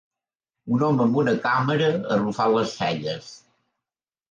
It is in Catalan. Un home amb una càmera arrufant les celles.